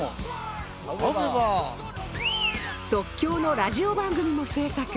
即興のラジオ番組も制作